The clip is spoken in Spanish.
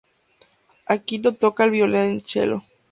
Akihito toca el violonchelo.